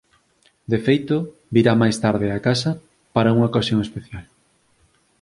De feito, virá máis tarde a casa para unha ocasión especial.